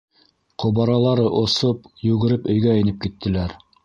Ҡобаралары осоп, йүгереп өйгә инеп киттеләр.